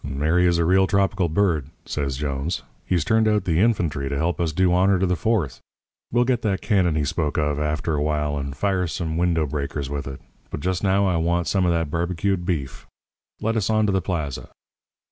"'Mary is a real tropical bird,' says Jones. 'He's turned out the infantry to help us do honour to the Fourth. We'll get that cannon he spoke of after a while and fire some window breakers with it. But just now I want some of that barbecued beef. Let us on to the plaza.'